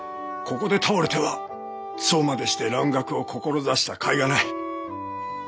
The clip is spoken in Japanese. ここで倒れてはそうまでして蘭学を志した甲斐がない。